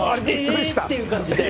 えーっていう感じ。